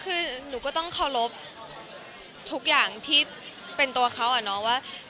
คือหนูก็ต้องเคารพทุกอย่างที่เป็นตัวเขาอะเนาะว่า